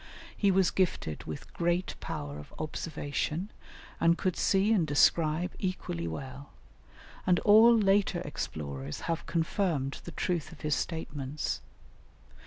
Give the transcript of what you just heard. He was gifted with great power of observation, and could see and describe equally well; and all later explorers have confirmed the truth of his statements.